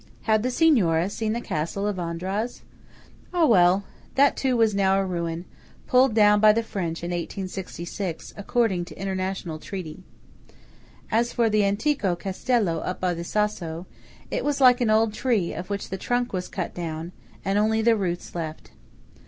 Had the Signoras seen the Castle of Andraz? Ah, well, that too was now a ruin–pulled down by the French in 1866, according to international treaty. As for the antico castello up by the Sasso, it was like an old tree of which the trunk was cut down, and only the roots left.